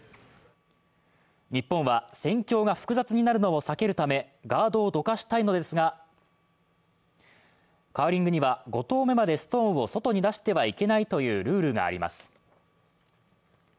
日本は戦況が複雑になるのを防ぐためガードをどかしたいのですが、カーリングには５投目までストーンを外に出してはいけないというルールがあります。